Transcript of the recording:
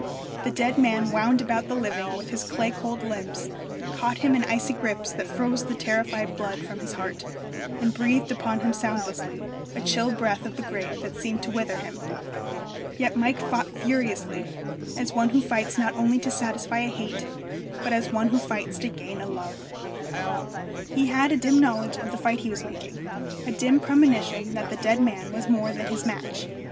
The dead man wound about the living with his clay cold limbs, caught him in icy grips that froze the terrified blood from his heart, and breathed upon him soundlessly a chill breath of the grave that seemed to wither him. Yet Mike fought furiously, as one who fights not only to satisfy a hate, but as one who fights to gain a love. He had a dim knowledge of the fight he was making, a dim premonition that the dead man was more than his match.